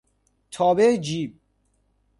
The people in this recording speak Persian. تابع جیب